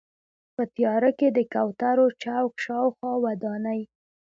په تیاره کې د کوترو چوک شاوخوا ودانۍ.